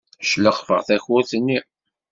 Cleqfeɣ-d takurt-nni.